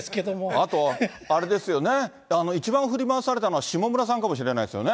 あとあれですよね、一番振り回されたのは、下村さんかもしれないですよね。